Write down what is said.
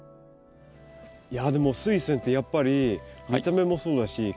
いやでもスイセンってやっぱり見た目もそうだし